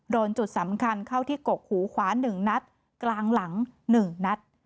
โดนจุดสำคัญเข้าที่กกหูขวา๑นัดกลางหลัง๑นัด